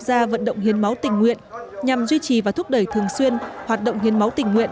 gia vận động hiến máu tình nguyện nhằm duy trì và thúc đẩy thường xuyên hoạt động hiến máu tình nguyện